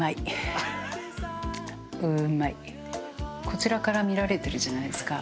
こちらから見られてるじゃないですか。